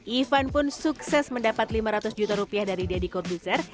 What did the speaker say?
ivan pun sukses mendapat lima ratus juta rupiah dari deddy corduser